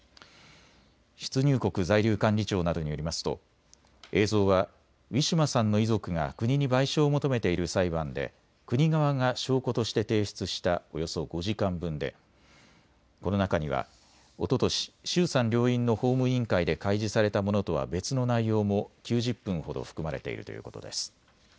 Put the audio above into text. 出入国在留管理庁などによりますと映像はウィシュマさんの遺族が国に賠償を求めているいる裁判で国側が証拠として提出したおよそ５時間分でこの中にはおととし衆参両院の法務委員会で開示されたものとは別の内容も９０分ほど含まれているということです。